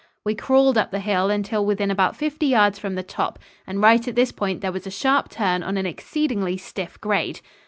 We crawled up the hill until within about fifty yards from the top, and right at this point there was a sharp turn on an exceedingly stiff grade.